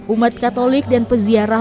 umat katolik dan peziarah